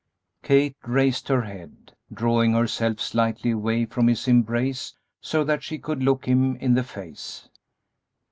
Kate raised her head, drawing herself slightly away from his embrace so that she could look him in the face.